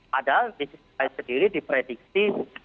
padahal disiksa sendiri diprediksi